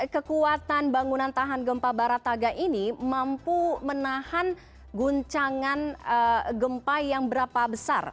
kekuatan bangunan tahan gempa barataga ini mampu menahan guncangan gempa yang berapa besar